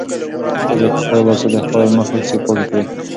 ښځې په خپلو لاسو د خپل مخ اوښکې پاکې کړې.